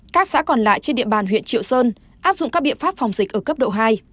các xã còn lại trên địa bàn huyện triệu sơn áp dụng các biện pháp phòng dịch ở cấp độ hai